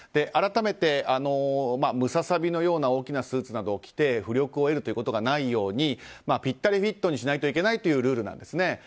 改めて、ムササビのような大きなスーツなどを着て浮力を得ることがないようにぴったりフィットにしないといけないというルールなんですね。